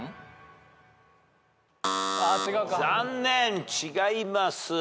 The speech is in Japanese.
残念違います。